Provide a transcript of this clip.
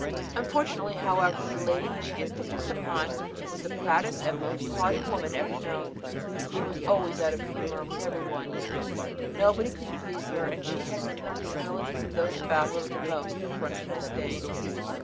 Unfortunately, however, the lady he chanced to fix upon was the proudest and most haughty woman ever known; she was always out of humour with every one; nobody could please her, and she returned the civilities of those about her with the most affronting disdain.